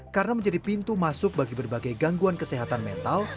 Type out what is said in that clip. karena menjadi pintu masuk bagi berbagai gangguan kesehatan mental